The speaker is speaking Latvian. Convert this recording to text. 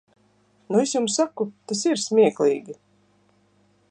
Nu es jums saku, tas ir smieklīgi.